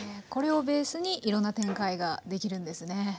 これをベースにいろんな展開ができるんですね。